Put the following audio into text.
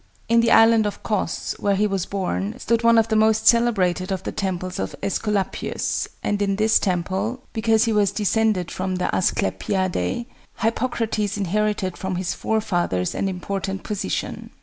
In the island of Cos, where he was born, stood one of the most celebrated of the temples of Æsculapius, and in this temple because he was descended from the Asclepiadæ Hippocrates inherited from his forefathers an important position.